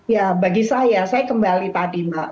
ya bagi saya saya kembali tadi mbak